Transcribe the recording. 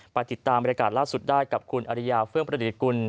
ไปติดตามบรรยากาศล่าสุดได้กับคุณอริยาเฟื่องประดิษฐกุล